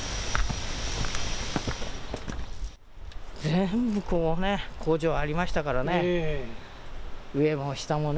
全部、工場ありましたからね、上も下もね。